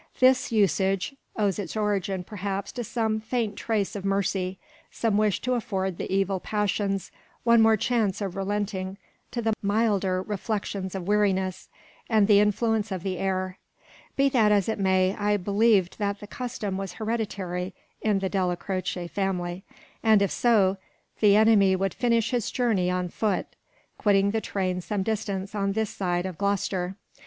This usage owes its origin perhaps to some faint trace of mercy, some wish to afford the evil passions one more chance of relenting to the milder reflections of weariness, and the influence of the air. Be that as it may, I believed that the custom was hereditary in the Della Croce family; and if so, the enemy would finish his journey on foot, quitting the train some distance on this side of Gloucester.